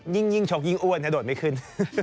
ยากมากจริงยิ่งอ้วนถ้าโดดไม่ขึ้น